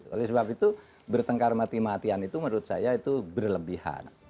oleh sebab itu bertengkar mati matian itu menurut saya itu berlebihan